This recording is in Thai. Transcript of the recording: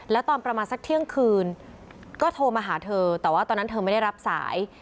แล้วตอนประมาณสักเที่ยงคืนก็โทรมาหาเธอแต่ว่าตอนนั้นเธอไม่ได้รับสาย